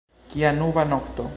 Kia nuba nokto!